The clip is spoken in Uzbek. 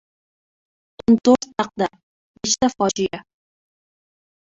O‘n to‘rt taqdir. Nechta fojia?!